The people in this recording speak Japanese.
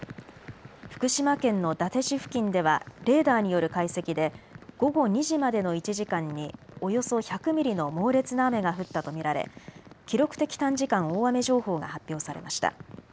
福島県の伊達市付近ではレーダーによる解析で午後２時までの１時間におよそ１００ミリの猛烈な雨が降ったと見られ記録的短時間大雨情報が発表されました。